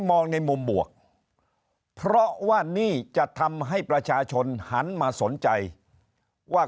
มองในมุมบวกเพราะว่านี่จะทำให้ประชาชนหันมาสนใจว่า